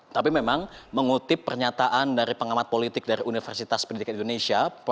tapi memang mengutip pernyataan dari pengamat politik dari universitas pendidikan indonesia